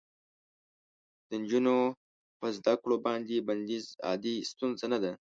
د نجونو په زده کړو باندې بندیز عادي ستونزه نه ده.